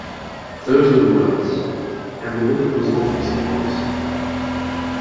Those were the words, and the woman was obviously honest.